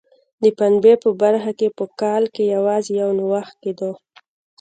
د پنبې په برخه کې په کال کې یوازې یو نوښت کېده.